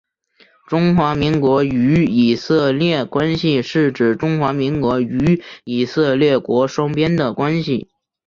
中华民国与以色列关系是指中华民国与以色列国双边的关系。